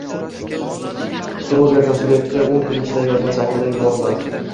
so‘rov bergan subyektga o‘n kun ichida yozma shaklda yuboriladi.